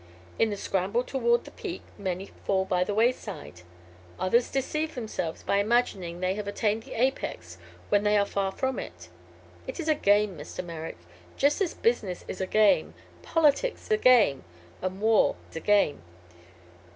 In the scramble toward the peak many fall by the wayside; others deceive themselves by imagining they have attained the apex when they are far from it. It is a game, Mr. Merrick, just as business is a game, politics a game, and war a game.